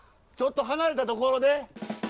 ちょっと離れた所で？